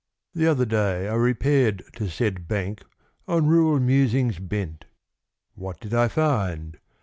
The other day I repaired to the said bank On rural musings bent. What did I find?